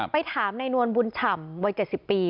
ไปถามนายนวลบุญฉ่ำวัย๗๐ปี